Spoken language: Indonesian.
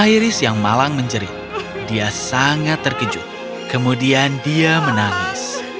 iris yang malang menjerit dia sangat terkejut kemudian dia menangis